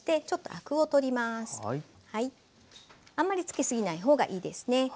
あんまりつけすぎないほうがいいですね。